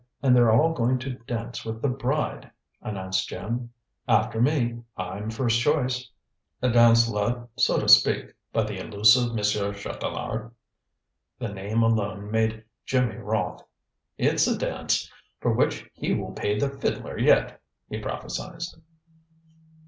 "And they're all going to dance with the bride," announced Jim. "After me. I'm first choice." "A dance led, so to speak, by the elusive Monsieur Chatelard?" The name alone made Jimmy wroth. "It's a dance for which he will pay the fiddler yet!" he prophesied.